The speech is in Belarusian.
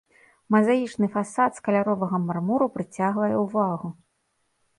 Мазаічны фасад з каляровага мармуру прыцягвае ўвагу.